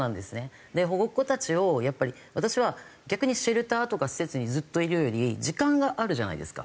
保護っ子たちをやっぱり私は逆にシェルターとか施設にずっといるより時間があるじゃないですか。